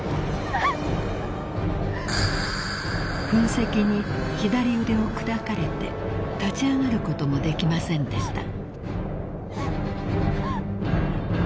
［噴石に左腕を砕かれて立ち上がることもできませんでした］